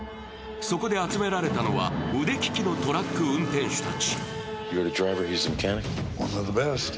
そこで集められたのは腕利きのトラック運転手たち。